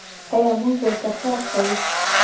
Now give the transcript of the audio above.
آیا موږ ورته کار کوو؟